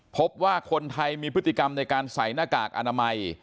พบว่าคนไทยมีพฤติกรรมในการใส่หน้ากากอนามัย